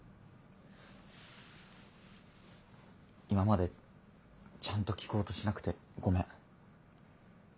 今までちゃんと聞こうとしなくてごめん。